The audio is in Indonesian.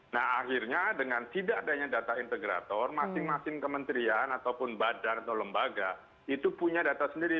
nah akhirnya dengan tidak adanya data integrator masing masing kementerian ataupun badan atau lembaga itu punya data sendiri